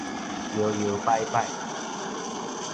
搖搖擺擺